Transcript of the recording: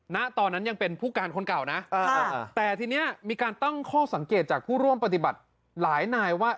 ณตอนนั้นยังเป็นผู้การคนเก่านะแต่ทีนี้มีการตั้งข้อสังเกตจากผู้ร่วมปฏิบัติหลายนายว่า